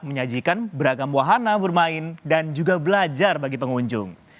menyajikan beragam wahana bermain dan juga belajar bagi pengunjung